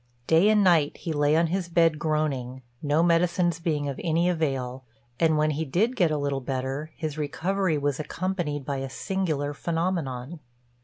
Day and night he lay on his bed groaning, no medicines being of any avail; and when he did get a little better, his recovery was accompanied by a singular phenomenon.